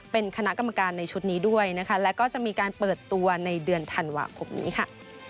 เป็นคณะกรรมการในชุดนี้ด้วยนะคะแล้วก็จะมีการเปิดตัวในเดือนธันวาคมนี้ค่ะ